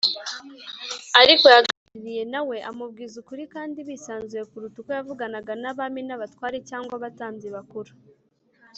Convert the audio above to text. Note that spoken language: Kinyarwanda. . Ariko yaganiriye na we amubwiza ukuri kandi bisanzuye kuruta uko yavuganaga n’Abami, n’Abatware, cyangwa Abatambyi bakuru